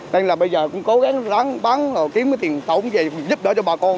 nên là bây giờ cũng cố gắng bán kiếm tiền tổng về giúp đỡ cho bà con